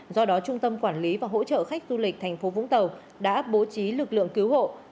do đó trung tâm quản lý và hỗ trợ khách du lịch thành phố vũng tàu đã bố trí lực lượng cứu hộ